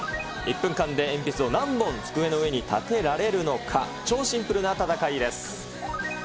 １分間で鉛筆を何本机の上に立てられるのか、超シンプルな戦いです。